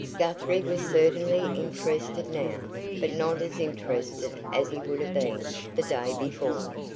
Guthrie was certainly interested now, but not as interested as he would have been the day before.